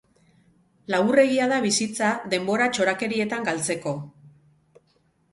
Laburregia da bizitza, denbora txorakerietan galtzeko!